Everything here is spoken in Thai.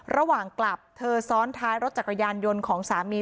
ระหว่างกลับเธอซ้อนท้ายรถจักรยานยนต์ของสามี